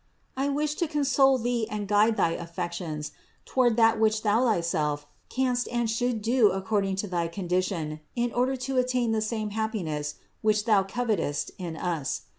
I wish to console thee and guide thy affections toward that which thou thyself canst and shouldst do according to thy condition in order to attain the same happiness which thou covetest in us.